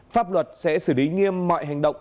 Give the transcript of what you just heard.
pháp luật sẽ xử lý nghiêm mọi hành động